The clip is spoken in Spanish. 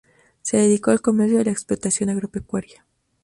Se dedicó al comercio y a la explotación agropecuaria.